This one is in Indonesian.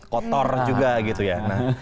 kotor juga gitu ya